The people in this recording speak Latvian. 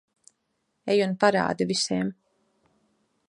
Ej un parādi visiem.